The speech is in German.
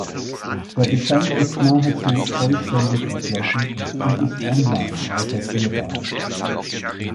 Der Bestand ist nahezu vollständig erschlossen und ist online recherchierbar.